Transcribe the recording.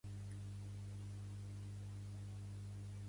La pol·linització es produeix quan l’estigma que rep el pol·len.